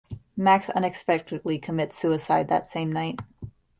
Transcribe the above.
Max unexpectedly commits suicide that same night.